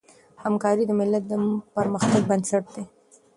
همکاري د ملت د پرمختګ بنسټ دی.